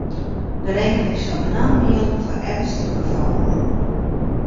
De regeling sil benammen jilde foar earnstige gefallen.